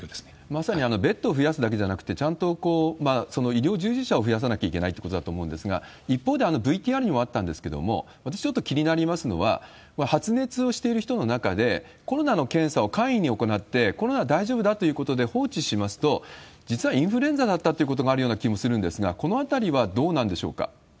まさにベッドを増やすだけじゃなくて、ちゃんと医療従事者を増やさなきゃいけないということだと思うんですが、一方で、ＶＴＲにもあったんですけれども、私ちょっと気になりますのは、これ、発熱をしている人の中で、コロナの検査を簡易に行って、コロナ大丈夫だっていうことで放置しますと、実はインフルエンザだったというようなこともあるような気もするんですが、このあたりはどうなんでしょうか？